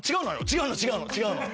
違うの違うの違うの。